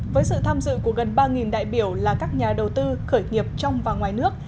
với sự tham dự của gần ba đại biểu là các nhà đầu tư khởi nghiệp trong và ngoài nước